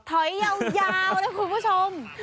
ถอยยาวนะคุณผู้ชม